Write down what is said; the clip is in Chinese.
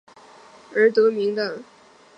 因其地位于南侧设立隘寮而得名。